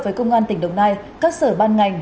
với công an tỉnh đồng nai các sở ban ngành